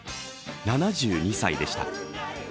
７２歳でした。